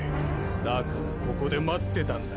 だからここで待ってたんだ。